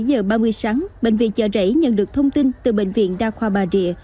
bảy giờ ba mươi sáng bệnh viện chợ rẫy nhận được thông tin từ bệnh viện đa khoa bà rịa